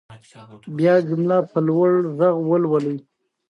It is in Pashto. دین ذاتاً زراعتي نه دی.